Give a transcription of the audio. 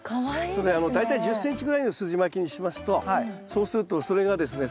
それ大体１０ｃｍぐらいのすじまきにしますとそうするとそれがですね